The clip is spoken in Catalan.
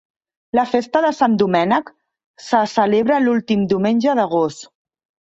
La festa de Sant Domènec se celebra l'últim diumenge d'agost.